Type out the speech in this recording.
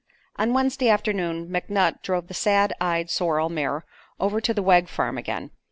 On Wednesday afternoon McNutt drove the sad eyed sorrel mare over to the Wegg farm again.